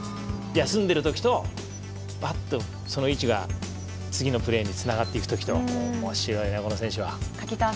休んでるときとバッとその位置が次のプレーにつながっていくときと。